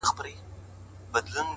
چي ديـدنونه پــــه واوښـتل ـ